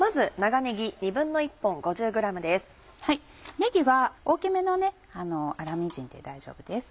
ねぎは大きめの粗みじんで大丈夫です。